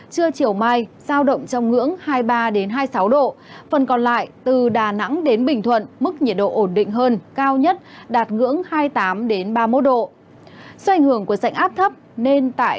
xin chào và hẹn gặp lại